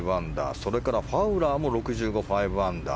それからファウラーも６５５アンダー。